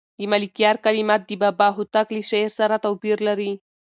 د ملکیار کلمات د بابا هوتک له شعر سره توپیر لري.